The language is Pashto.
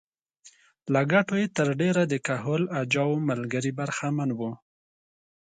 له ګټو یې تر ډېره د کهول اجاو ملګري برخمن وو